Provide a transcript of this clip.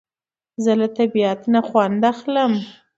زه له طبیعت نه خوند اخلم